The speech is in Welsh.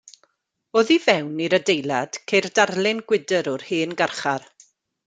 Oddi fewn i'r adeilad ceir darlun gwydr o'r hen garchar.